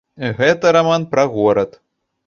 Гэта раман пра горад.